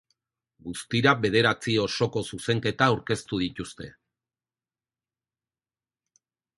Guztira bederatzi osoko zuzenketa aurkeztu dituzte.